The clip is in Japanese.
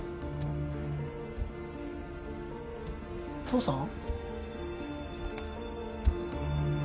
父さん？